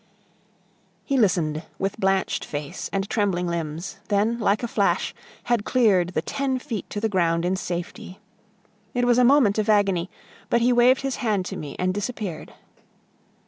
He listened with blanched face and trembling limbs, then, like a flash, had cleared the ten feet to the ground in safety. It was a moment of agony, but he waved his hand to me and disappeared.